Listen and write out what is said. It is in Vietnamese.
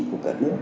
của cả nước